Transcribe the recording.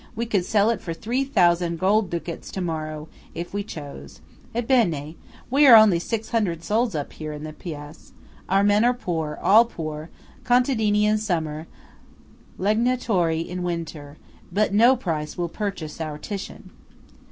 We could sell it for three thousand gold ducats to morrow, if we chose. Ebbene! we are only six hundred souls up here in the Paese. Our men are poor–all poor–contadini in summer, legnatori in winter; but no price will purchase our Titian!"